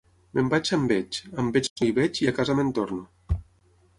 Me'n vaig a Enveig, a Enveig no hi veig i a casa me'n torno.